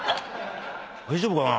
大丈夫かな？